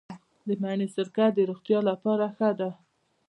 د مڼې سرکه د روغتیا لپاره ښه ده.